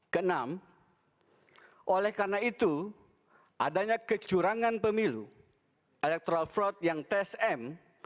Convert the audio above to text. kenam oleh karena itu adanya kecurangan pemilu electoral fraud yang tsm